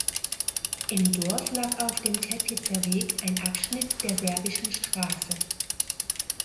Im Dorf lag auf dem Teplitzer Weg ein Abschnitt der serbischen Straße.